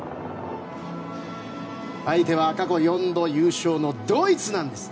相手は過去４度優勝のドイツなんです。